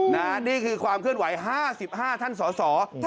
นี่คือความเคลื่อนไหว๕๕ท่านสส